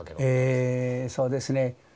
えそうですね。